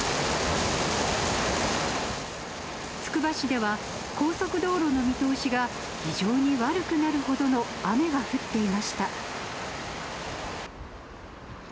つくば市では、高速道路の見通しが非常に悪くなるほどの雨が降っていました。